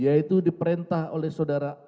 yaitu diperintah oleh saudara